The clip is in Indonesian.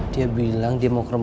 dia bilang dia mau ke rumah